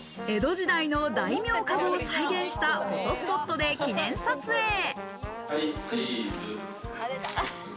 江戸時代の大名かごを再現したフォトスポットで記念撮影。